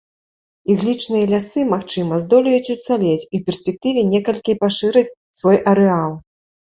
Іглічныя лясы, магчыма, здолеюць уцалець і ў перспектыве некалькі пашыраць свой арэал.